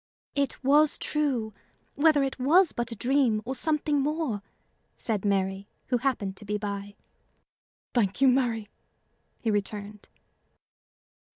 "It was true, whether it was but a dream or something more," said Mary, who happened to be by. "Thank you, Mary," he returned.